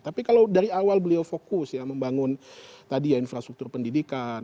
tapi kalau dari awal beliau fokus ya membangun tadi ya infrastruktur pendidikan